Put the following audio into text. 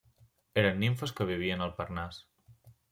Eren nimfes que vivien al Parnàs.